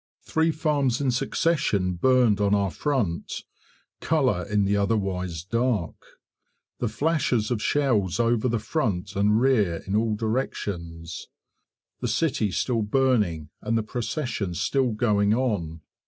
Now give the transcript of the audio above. Three farms in succession burned on our front colour in the otherwise dark. The flashes of shells over the front and rear in all directions. The city still burning and the procession still going on.